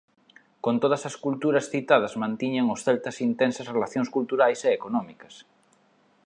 Con todas as culturas citadas mantiñan os celtas intensas relacións culturais e económicas.